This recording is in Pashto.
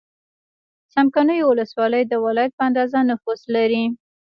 څمکنیو ولسوالۍ د ولایت په اندازه نفوس لري.